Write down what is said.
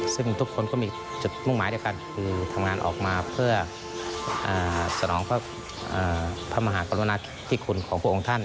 ซึ่งทุกคนก็มีจุดมุ่งหมายเดียวกันคือทำงานออกมาเพื่อสนองพระมหากรุณาธิคุณของพระองค์ท่าน